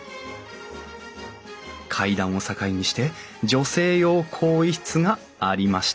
階段を境にして女性用更衣室がありました